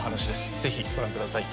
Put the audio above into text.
ぜひご覧ください。